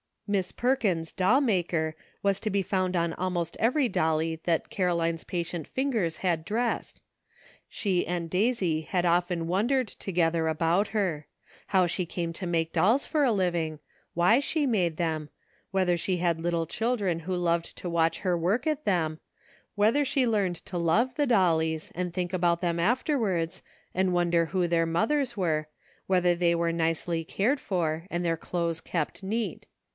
"Miss Perkins, Doll maker," was to be found on almost every dollie that Caroline's patient fingers had dressed. She and Daisy had often 280 ENTERTAINING COMPANY, ■JTondered together about her ; how she came to make dolls for a living, why she made them, whether she had little children who loved to watch her at work at them ; whether she learned to love the dollies and think about them after wards, and wonder who their mothers were, whether they were nicely cared for and their clothes kept neat.